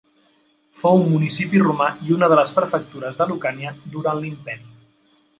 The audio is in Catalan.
Fou municipi romà i una de les prefectures de Lucània durant l'imperi.